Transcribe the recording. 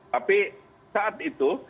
tapi saat itu